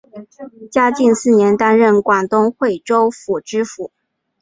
嘉靖四年担任广东惠州府知府。